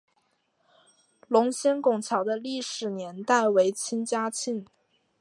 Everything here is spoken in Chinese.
龙仙拱桥的历史年代为清嘉庆。